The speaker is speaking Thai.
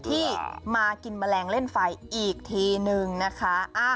ที่มากินแมลงเล่นไฟอีกทีนึงนะคะ